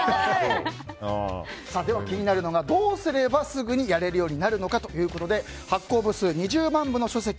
気になるのがどうすればすぐやれるようになるのかということで発行部数２０万部の書籍